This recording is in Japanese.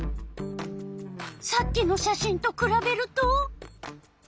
さっきの写真とくらべると？